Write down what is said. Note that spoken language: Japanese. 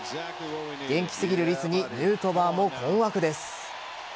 元気すぎるリスにヌートバーも困惑です。